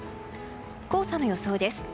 黄砂の予想です。